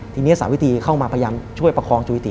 ทีนี้สาวิธีเข้ามาพยายามช่วยปกครองจูฮิติ